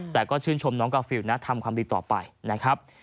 แต่ก็ชื่นชมน้องกาฟิลนะทำความดีต่อไปนะครับ